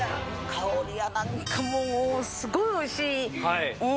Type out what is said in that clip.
・香りやなんかもすごいおいしい。